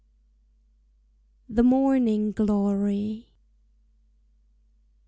THE MORNING GLORY.